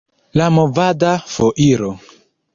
La movada foiro.